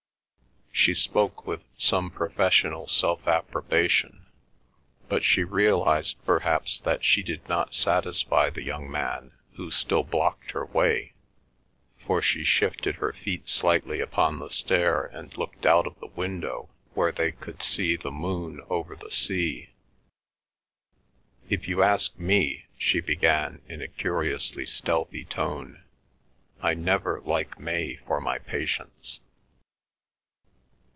She spoke with some professional self approbation. But she realised perhaps that she did not satisfy the young man, who still blocked her way, for she shifted her feet slightly upon the stair and looked out of the window where they could see the moon over the sea. "If you ask me," she began in a curiously stealthy tone, "I never like May for my patients."